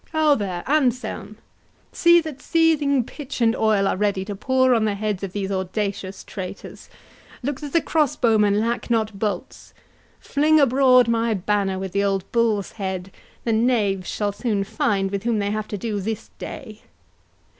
—Ho! there, Anselm I see that seething pitch and oil are ready to pour on the heads of these audacious traitors—Look that the cross bowmen lack not bolts. 33—Fling abroad my banner with the old bull's head—the knaves shall soon find with whom they have to do this day!"